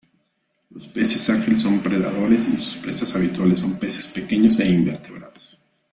Los peces ángel son predadores, y sus presas habituales son peces pequeños y invertebrados.